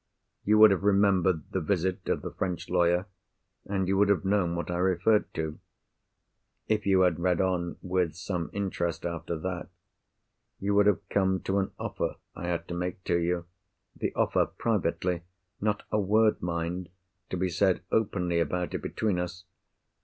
You would have remembered the visit of the French lawyer, and you would have known what I referred to. If you had read on with some interest after that, you would have come to an offer I had to make to you—the offer, privately (not a word, mind, to be said openly about it between us!)